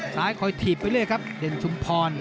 ซ้ายคอยถีบไปเรื่อยครับเด่นชุมพร